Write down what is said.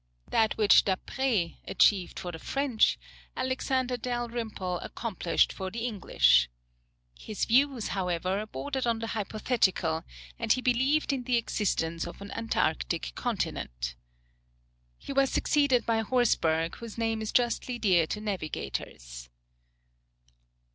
That which D'Après achieved for the French, Alexander Dalrymple accomplished for the English. His views, however, bordered on the hypothetical, and he believed in the existence of an Antarctic Continent. He was succeeded by Horsburgh, whose name is justly dear to navigators.